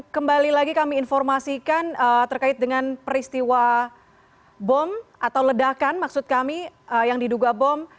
kembali lagi kami informasikan terkait dengan peristiwa bom atau ledakan maksud kami yang diduga bom